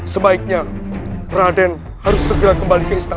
sebaiknya raden harus segera kembali ke istana